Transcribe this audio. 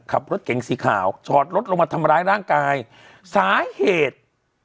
ขับรถเก๋งสีขาวจอดรถลงมาทำร้ายร่างกายสาเหตุ